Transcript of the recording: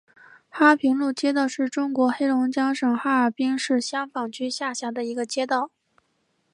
哈平路街道是中国黑龙江省哈尔滨市香坊区下辖的一个街道。